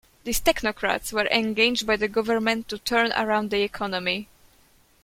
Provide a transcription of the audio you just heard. These technocrats were engaged by the Government to turn around the economy.